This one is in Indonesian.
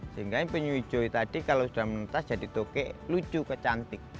sehingga penyu hijau tadi kalau sudah menentas jadi toke lucu kecantik